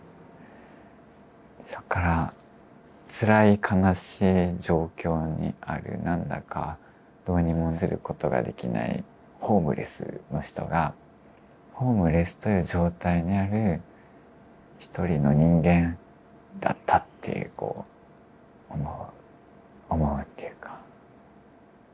そこからつらい悲しい状況にあるなんだかどうにもすることができないホームレスの人がホームレスという状態にある一人の人間だったって思うっていうか。